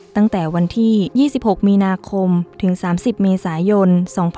ตั้งแต่วันที่๒๖มีนาคมถึง๓๐เมษายน๒๕๖๒